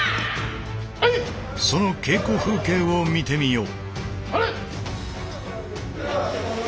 その稽古風景を見てみよう。